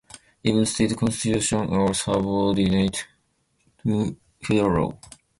Even state constitutions are subordinate to federal law.